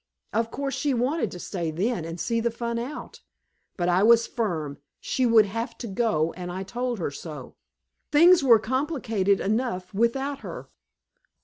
Of course she wanted to stay, then, and see the fun out. But I was firm; she would have to go, and I told her so. Things were complicated enough without her.